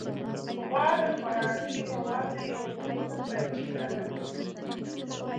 غوا د خوراکي موادو یو مهمه سرچینه ده.